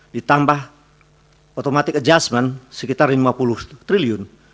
ditambah automatic adjustment sekitar lima puluh triliun